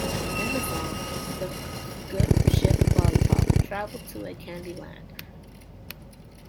In the song, the "Good Ship Lollipop" travels to a candy land.